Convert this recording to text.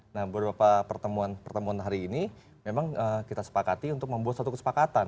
nah beberapa pertemuan pertemuan hari ini memang kita sepakati untuk membuat satu kesepakatan